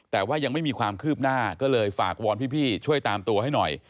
แต่ว่ายังไม่มีความคืบหน้าก็เลยฝากวอนพี่ช่วยตามตัวให้หน่อย